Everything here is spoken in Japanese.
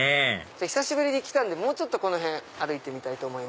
久しぶりに来たのでもうちょっとこの辺歩いてみたいと思います。